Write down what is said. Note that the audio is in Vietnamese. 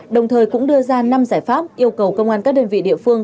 đồng thời cũng đưa ra năm giải pháp yêu cầu công an các đơn vị địa phương